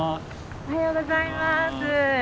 おはようございます。